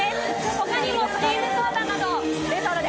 他にもクリームソーダなどがあります。